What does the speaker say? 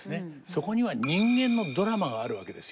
そこには人間のドラマがあるわけですよ。